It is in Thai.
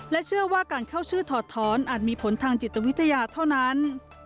เชื่อว่าการเข้าชื่อถอดท้อนอาจมีผลทางจิตวิทยาเท่านั้น